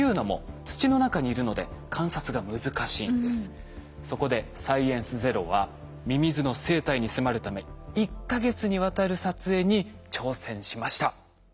というのもそこで「サイエンスＺＥＲＯ」はミミズの生態に迫るため１か月にわたる撮影に挑戦しました。